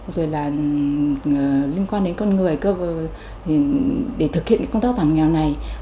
rồi là liên quan đến con người để thực hiện công tác giảm nghèo này